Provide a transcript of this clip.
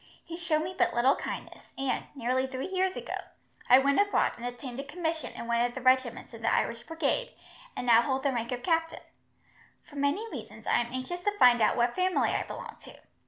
He showed me but little kindness, and, nearly three years ago, I went abroad and obtained a commission in one of the regiments in the Irish Brigade, and now hold the rank of captain. For many reasons, I am anxious to find out what family I belong to.